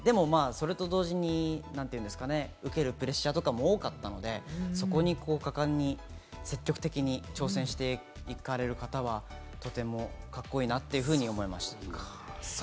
でも、それと同時に受けるプレッシャーとかも多かったんで、そこに果敢に積極的に挑戦していかれる方は、とてもカッコいいなというふうに思います。